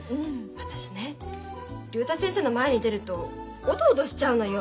私ね竜太先生の前に出るとおどおどしちゃうのよ。